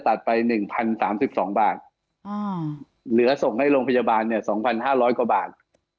ตัดไป๑๐๓๒บาทเหลือส่งให้โรงพยาบาลเนี่ย๒๕๐๐กว่าบาท